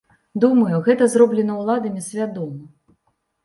Думаю, гэта зроблена ўладамі свядома.